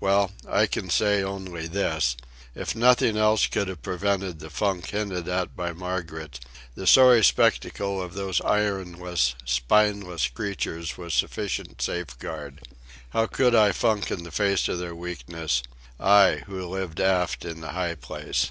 Well, I can say only this: If nothing else could have prevented the funk hinted at by Margaret, the sorry spectacle of these ironless, spineless creatures was sufficient safeguard. How could I funk in the face of their weakness—I, who lived aft in the high place?